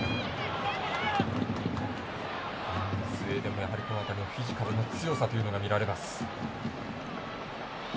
スウェーデンもフィジカルの強さというのが見られます。